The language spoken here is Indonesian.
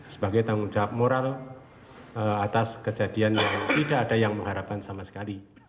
sebagai tanggung jawab moral atas kejadian yang tidak ada yang mengharapkan sama sekali